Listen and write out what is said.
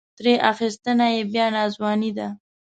ترې اخیستنه یې بیا ناځواني ده.